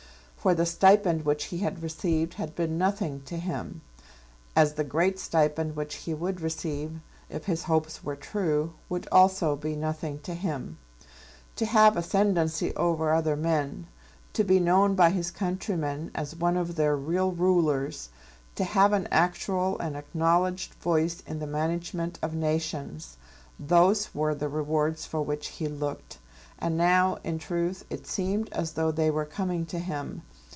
For the stipend which he had received had been nothing to him, as the great stipend which he would receive, if his hopes were true, would also be nothing to him. To have ascendancy over other men, to be known by his countrymen as one of their real rulers, to have an actual and acknowledged voice in the management of nations, those were the rewards for which he looked; and now in truth it seemed as though they were coming to him.